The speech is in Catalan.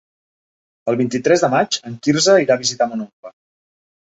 El vint-i-tres de maig en Quirze irà a visitar mon oncle.